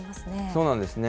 そうなんですね。